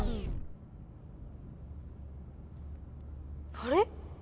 あれ？